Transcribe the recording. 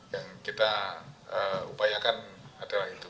yang kita upayakan adalah itu